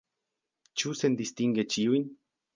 Ĉu sendistinge ĉiujn?